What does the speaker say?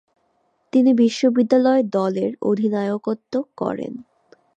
তিনি বিশ্ববিদ্যালয় দলের অধিনায়কত্ব করেন।